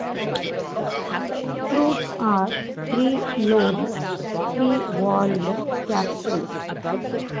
Fruits are three-lobed, three-valved capsules.